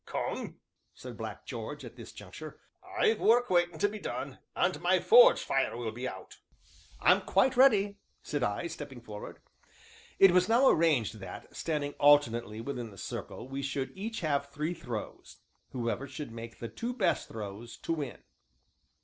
"Come," said Black George, at this juncture, "I've work waitin' to be done, and my forge fire will be out." "I'm quite ready," said I, stepping forward. It was now arranged that, standing alternately within the circle, we should each have three throws whoever should make the two best throws to win.